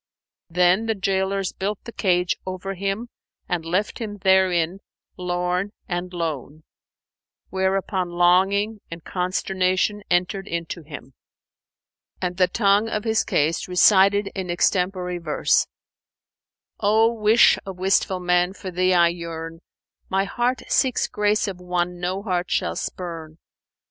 "[FN#480] Then the gaolers built the cage[FN#481] over him and left him therein, lorn and lone, whereupon longing and consternation entered into him and the tongue of his case recited in extempore verse, "O, Wish of wistful men, for Thee I yearn; * My heart seeks grace of one no heart shall spurn.